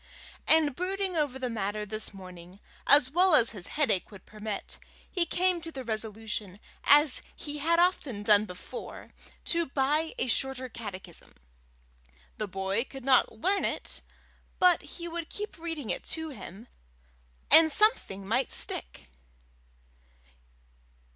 and brooding over the matter this morning, as well as his headache would permit, he came to the resolution, as he had often done before, to buy a Shorter Catechism; the boy could not learn it, but he would keep reading it to him, and something might stick.